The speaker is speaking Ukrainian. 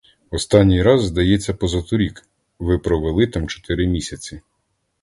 Останній раз, здається позаторік, ви провели там чотири місяці.